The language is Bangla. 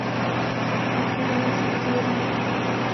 আপনি কোনো ওষুধ দিবেন না।